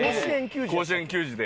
甲子園球児で。